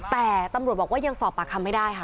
แต่ตำรวจบอกว่ายังสอบปากคำไม่ได้ค่ะ